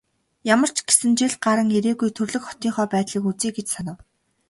Ямар ч гэсэн жил гаран ирээгүй төрөлх хотынхоо байдлыг үзье гэж санав.